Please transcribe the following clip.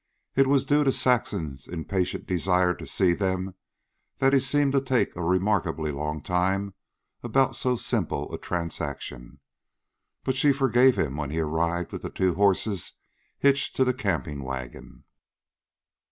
It was due to Saxon's impatient desire to see them, that he seemed to take a remarkably long time about so simple a transaction. But she forgave him when he arrived with the two horses hitched to the camping wagon.